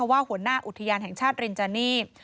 หัวหน้าอุทยานแห่งชาติรินจานี